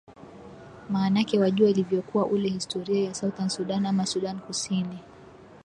maanake wajua ilivyokuwa ule historia ya southern sudan ama sudan kusini